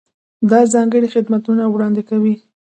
دا ځانګړي خدمتونه وړاندې کوي.